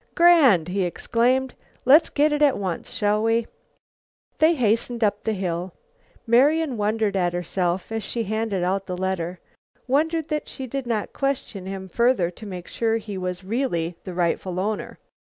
"Grand!" he exclaimed. "Let's get it at once, shall we?" They hastened up the hill. Marian wondered at herself, as she handed out the letter; wondered that she did not question him further to make sure he was really the rightful owner.